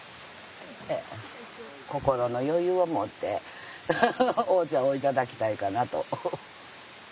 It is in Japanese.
心の余裕を持ってお茶を頂きたいかなと。